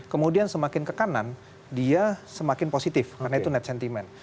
kemudian semakin ke kanan dia semakin positif karena itu net sentiment